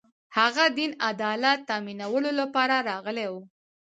هغه دین عدالت تأمینولو لپاره راغلی و